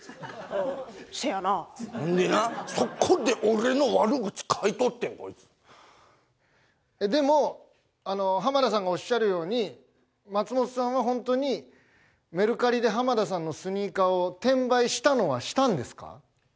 せやなほんでなそこで俺の悪口書いとってんこいつでも浜田さんがおっしゃるように松本さんはホントにメルカリで浜田さんのスニーカーを転売したのはしたんですか？